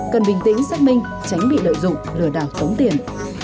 cần bình tĩnh xác minh tránh bị lợi dụng lừa đảo tống tiền